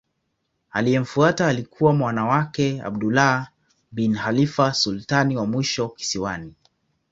Aliyemfuata alikuwa mwana wake Abdullah bin Khalifa sultani wa mwisho kisiwani.